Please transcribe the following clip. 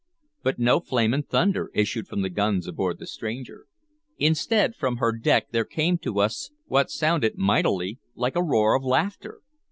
But no flame and thunder issued from the guns aboard the stranger. Instead, from her deck there came to us what sounded mightily like a roar of laughter.